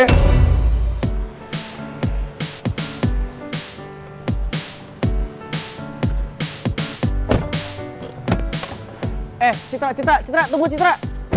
eh citra citra citra tubuh citra